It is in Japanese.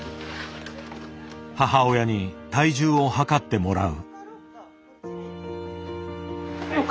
母親に体重をはかってもらう。